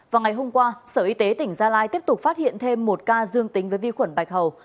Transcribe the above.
vào ngày hôm qua sở y tế tỉnh gia lai tiếp tục phát hiện thêm một ca dương tính với vi khuẩn bạch hầu